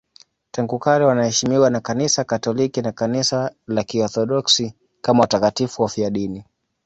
Tangu kale wanaheshimiwa na Kanisa Katoliki na Kanisa la Kiorthodoksi kama watakatifu wafiadini.